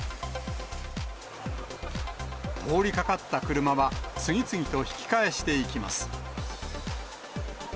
通りかかった車は次々と引き返していきます。